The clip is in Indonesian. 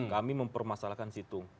kami mempermasalahkan situng